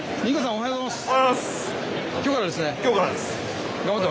おはようございます。